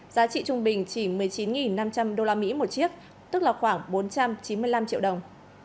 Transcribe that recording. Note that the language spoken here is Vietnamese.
giá trị trung bình chỉ một mươi chín năm trăm linh usd một chiếc tức là khoảng bốn trăm chín mươi năm triệu đồng